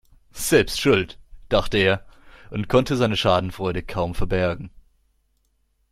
Selbst schuld, dachte er und konnte seine Schadenfreude kaum verbergen.